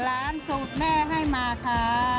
ร้านสูตรแม่ให้มาค่ะ